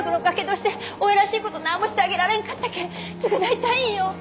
おしで親らしいこと何もしてあげられんかったけん償いたいんよ